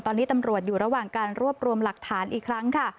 ตอนนี้ตำรวจอยู่ระหว่างการรวบรวมหลักฐานอีกครั้งค่ะ